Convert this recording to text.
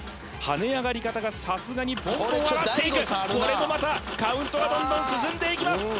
跳ね上がり方がさすがにポンポン上がっていくこれもまたカウントがどんどん進んでいきます